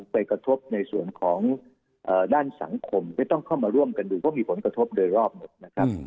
ไปกระทบในส่วนของด้านสังคมไม่ต้องเข้ามาร่วมกันดูเพราะมีผลกระทบโดยรอบหมดนะครับ